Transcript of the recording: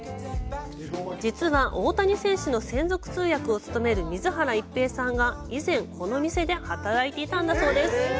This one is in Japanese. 実は、大谷選手の専属通訳を務める水原一平さんが、以前、この店で働いていたんだそうです。